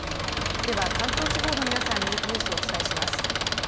では関東地方の皆さんにニュースをお伝えします。